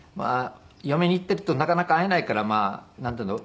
嫁に行っているとなかなか会えないからまあなんていうの。